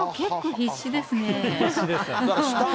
必死です。